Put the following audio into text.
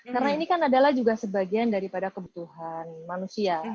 karena ini kan adalah juga sebagian daripada kebutuhan manusia